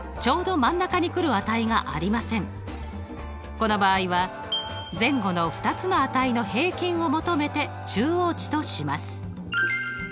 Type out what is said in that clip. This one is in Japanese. この場合は前後の２つの値の平均を求めて中央値とします。